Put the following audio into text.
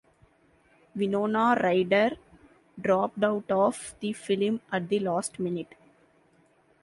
Winona Ryder dropped out of the film at the last minute.